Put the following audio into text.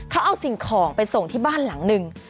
เขาเอาสิ่งของไปส่งที่บ้านหลังหนึ่ง